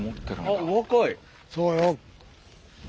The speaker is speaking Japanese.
そうよ。